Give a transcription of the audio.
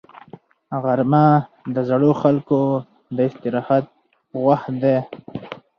غرمه د زړو خلکو د استراحت وخت دی